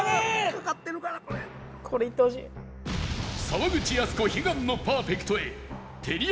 沢口靖子悲願のパーフェクトへてり